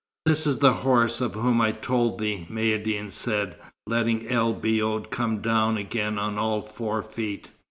"This is the horse of whom I told thee," Maïeddine said, letting El Biod come down again on all four feet.